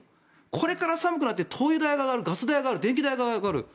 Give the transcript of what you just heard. これから寒くなって灯油代が上がる、ガス代が上がる電気代が上がる